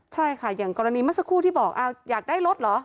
ใช่ค่ะอย่างกรณีเมื่อสักครู่ที่บอกอยากได้รถเหรอ